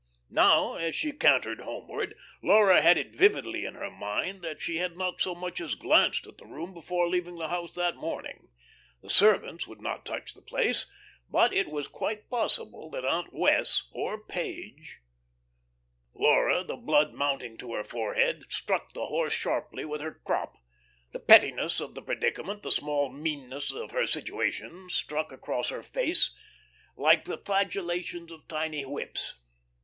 Now, as she cantered homeward, Laura had it vividly in her mind that she had not so much as glanced at the room before leaving the house that morning. The servants would not touch the place. But it was quite possible that Aunt Wess' or Page Laura, the blood mounting to her forehead, struck the horse sharply with her crop. The pettiness of the predicament, the small meanness of her situation struck across her face like the flagellations of tiny whips.